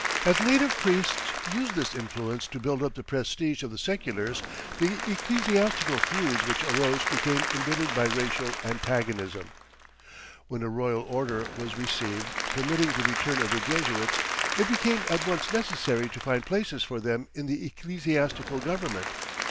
As native priests used this influence to build up the prestige of the seculars, the ecclesiastical feuds which arose became embittered by racial antagonism. When a royal order was received permitting the return of the Jesuits it became at once necessary to find places for them in the ecclesiastical government.